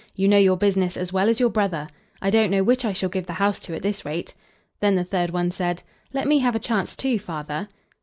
"You know your business as well as your brother. I don't know which I shall give the house to at this rate." Then the third one said: "Let me have a chance, too, father."